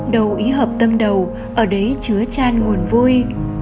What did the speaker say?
đầu ý hợp tâm đầu ở đấy chứa tràn nguồn vui